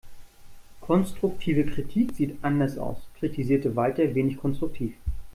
Konstruktive Kritik sieht anders aus, kritisierte Walter wenig konstruktiv.